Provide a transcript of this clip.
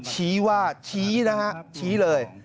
ชี้ว่าชี้นะฮะชี้เลย